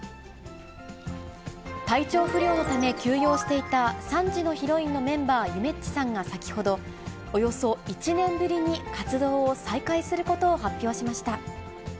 体調不良のため休養していた３時のヒロインのメンバー、ゆめっちさんが先ほど、およそ１年ぶりに活動を再開することを発表しました。